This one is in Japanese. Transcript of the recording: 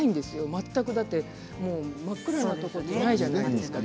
全く真っ暗なところってないじゃないですか